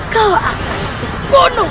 kau akan dibunuh